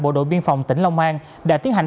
bộ đội biên phòng tỉnh long an